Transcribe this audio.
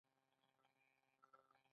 هغوی په صمیمي رڼا کې پر بل باندې ژمن شول.